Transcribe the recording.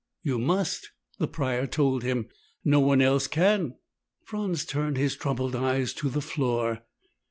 "You must," the Prior told him. "No one else can." Franz turned his troubled eyes to the floor.